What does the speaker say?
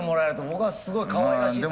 僕はすごいかわいらしい作品。